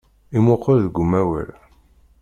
Imuqel deg umawal.